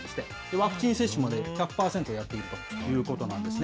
ワクチン接種も１００％やっているということなんですね。